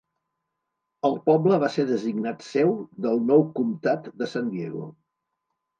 El poble va ser designat seu del nou Comtat de San Diego.